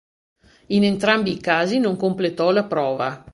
In entrambi i casi non completò la prova.